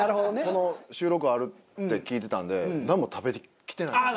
この収録あるって聞いてたんでなんも食べてきてないんですよ。